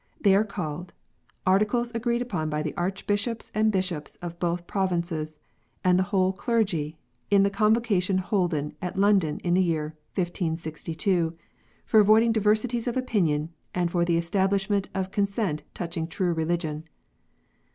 They are called "Articles agreed upon by the Archbishops and Bishops of both provinces, and the whole clergy, in the Convocation holden at London in the year 1562, for avoiding of diversities of opinion, and for the establishment of consent touching true religion."